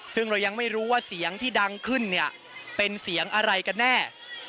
ซึ่งเรายังไม่รู้ว่าเสียงที่ดังขึ้นเนี่ยเป็นเสียงอะไรกันแน่